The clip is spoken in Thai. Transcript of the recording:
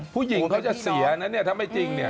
ผู้หญิงเขาจะเสียนะเนี่ยถ้าไม่จริงเนี่ย